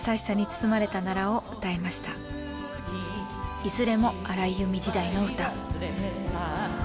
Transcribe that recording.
いずれも荒井由実時代の歌。